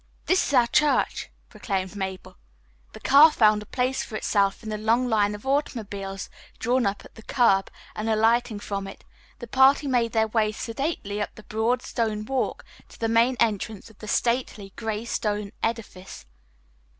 "This is our church," proclaimed Mabel. The car found a place for itself in the long line of automobiles drawn up at the curb, and, alighting from it, the party made their way sedately up the broad stone walk to the main entrance of the stately, gray stone edifice.